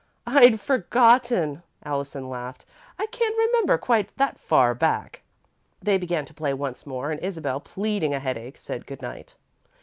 "I'd forgotten," Allison laughed. "I can't remember quite that far back." They began to play once more and Isabel, pleading a headache, said good night.